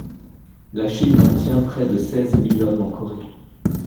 La Chine maintient près de seize mille hommes en Corée.